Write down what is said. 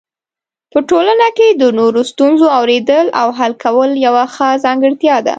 په ټولنه کې د نورو ستونزو اورېدل او حل کول یو ښه ځانګړتیا ده.